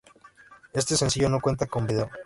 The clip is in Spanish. Este sencillo no cuenta con video.